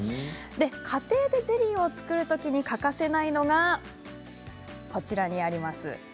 家庭でゼリーを作るときに欠かせないのがこちらにあります